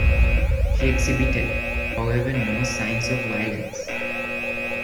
She exhibited, however, no signs of violence.